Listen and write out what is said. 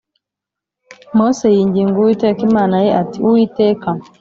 Mose yinginga uwiteka imana ye ati uwiteka